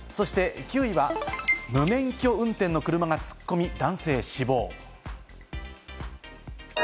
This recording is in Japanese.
９位は無免許運転の車が突っ込み、男性死亡。